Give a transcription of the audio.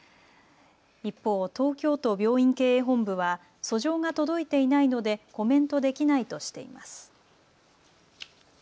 一方、東京都病院経営本部は訴状が届いていないのでコメントできないとしています。